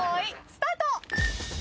スタート。